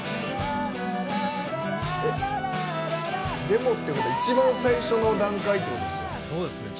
デモってことは一番最初の段階ってことですよね。